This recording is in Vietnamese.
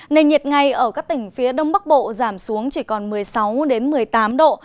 nền nhiệt ngay ở các tỉnh phía đông bắc bộ giảm xuống chỉ còn một mươi sáu một mươi tám độ